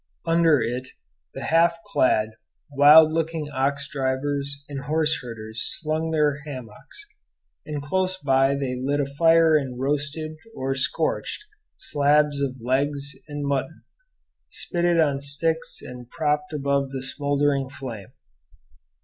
Under it the half clad, wild looking ox drivers and horse herders slung their hammocks; and close by they lit a fire and roasted, or scorched, slabs and legs of mutton, spitted on sticks and propped above the smouldering flame.